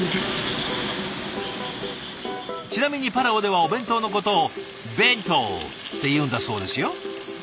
ちなみにパラオではお弁当のことを「ベントー」っていうんだそうですよ。